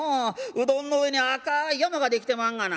うどんの上に赤い山が出来てまんがな」。